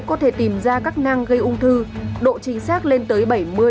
có thể tìm ra các năng gây ung thư độ chính xác lên tới bảy mươi ba mươi